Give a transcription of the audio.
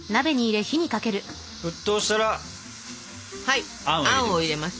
沸騰したらあんを入れます。